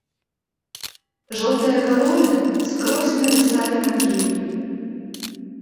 Жоўтыя калоны скрозь навісалі над ім.